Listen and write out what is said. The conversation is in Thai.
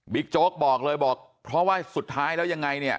โจ๊กบอกเลยบอกเพราะว่าสุดท้ายแล้วยังไงเนี่ย